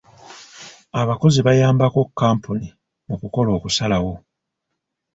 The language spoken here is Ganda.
Abakozi bayambako kkampuni mu kukola okusalawo.